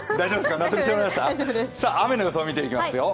雨の予想を見ていきますよ。